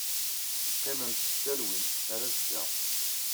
Qqimemt deg talwit. Ar azekka.